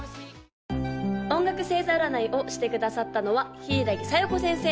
・音楽星座占いをしてくださったのは柊小夜子先生！